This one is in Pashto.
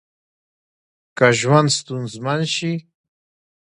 که ژوند ستونزمن شي